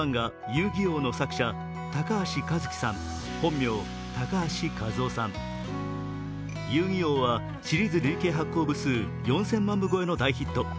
「遊戯王」はシリーズ累計発行部数４０００万部超えの大ヒット。